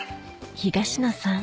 東野さん